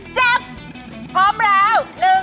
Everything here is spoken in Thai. เจ๊บพร้อมแล้ว๑๒๓